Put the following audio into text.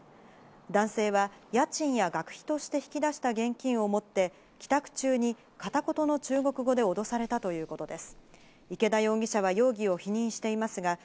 男性は家賃や学費として引き出した現金を持って帰宅中に片言の中国語で脅されたということです。